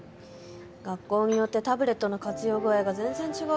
学校によってタブレットの活用具合が全然違うからなあ。